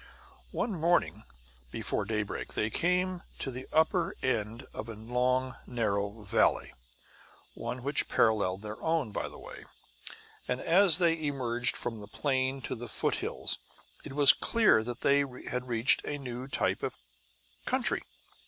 One morning before daybreak they came to the upper end of a long, narrow valley one which paralleled their own, by the way and as they emerged from the plain into the foothills it was clear that they had reached a new type of country.